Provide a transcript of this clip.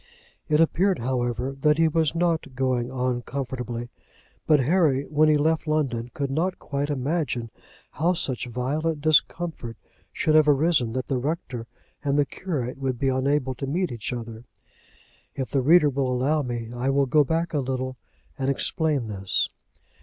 It appeared, however, that he was not going on comfortably; but Harry, when he left London, could not quite imagine how such violent discomfort should have arisen that the rector and the curate should be unable to meet each other. If the reader will allow me, I will go back a little and explain this.